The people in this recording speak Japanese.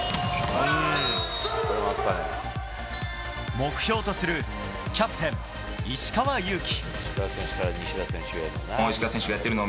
目標とするキャプテン、石川祐希。